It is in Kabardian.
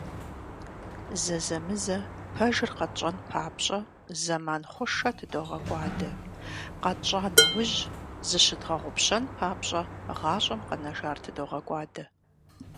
Зэзэмызэ пэжыр къэтщӏэн папщӏэ зэман хъушэ тыдогъэкӏуадэ, къэтщӏа нэужь, зыщыдгъэгъупщэн папщӏэ гъащӏэм къэнэжар тыдогъэкӏуадэ.